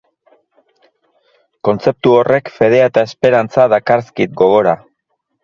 Kontzeptu horrek fedea eta esperantza dakarzkit gogora.